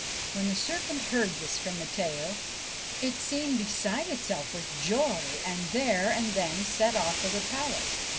When the serpent heard this from Matteo, it seemed beside itself with joy, and there and then set off for the palace.